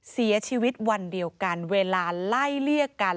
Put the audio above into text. เสียชีวิตวันเดียวกันเวลาไล่เลี่ยกัน